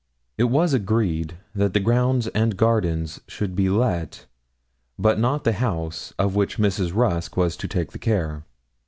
It was agreed that the grounds and gardens should be let, but not the house, of which Mrs. Rusk was to take the care.